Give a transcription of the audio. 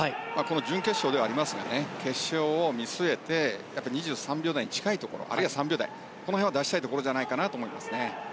準決勝ではありますが決勝を見据えて２３秒台に近いところあるいは３秒台を出したいところじゃないかなと思いますね。